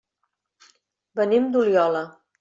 Venim d'Oliola.